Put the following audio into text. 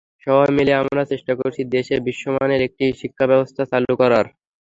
সবাই মিলে আমরা চেষ্টা করছি, দেশে বিশ্বমানের একটি শিক্ষাব্যবস্থা চালু করার।